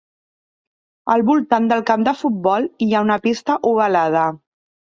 Al voltant del camp de futbol hi ha una pista ovalada.